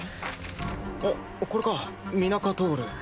あっこれかミナカトール。